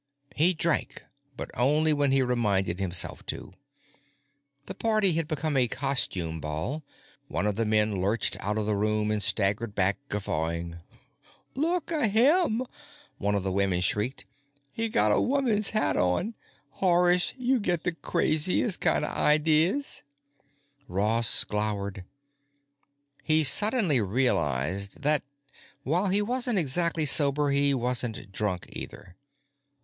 He drank, but only when he reminded himself to. This party had become a costume ball; one of the men lurched out of the room and staggered back guffawing. "Looka him!" one of the women shrieked. "He got a woman's hat on! Horace, you get the craziest kinda ideas!" Ross glowered. He suddenly realized that, while he wasn't exactly sober, he wasn't drunk either.